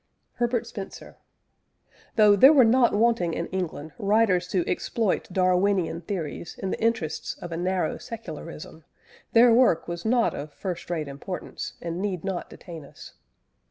HERBERT SPENCER. Though there were not wanting in England writers to exploit Darwinian theories in the interests of a narrow secularism, their work was not of first rate importance, and need not detain us.